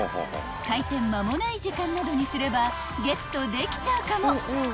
［開店間もない時間などにすればゲットできちゃうかも］